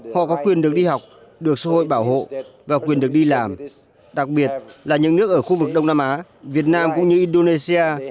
họ có quyền được đi học được xã hội bảo hộ và quyền được đi làm đặc biệt là những nước ở khu vực đông nam á việt nam cũng như indonesia